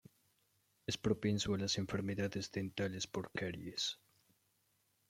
Es propenso a las enfermedades dentales por caries.